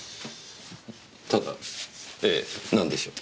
ただええなんでしょう？